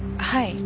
はい。